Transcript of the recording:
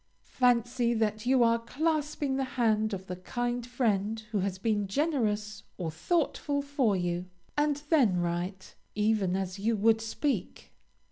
Fancy that you are clasping the hand of the kind friend who has been generous or thoughtful for you, and then write, even as you would speak.